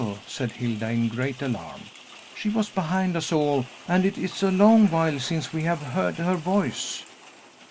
said Hilda, in great alarm. "She was behind us all; and it is a long while since we have heard her voice!"